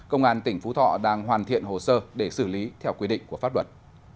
công an tỉnh phú thọ đang hoàn thiện hồ sơ để xử lý theo quy định của pháp luật